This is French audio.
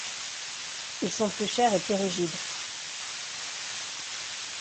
Ils sont plus chers et plus rigides.